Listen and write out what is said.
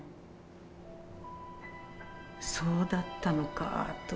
そうだったのかと。